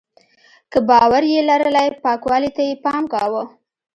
که باور یې لرلی پاکوالي ته یې پام کاوه.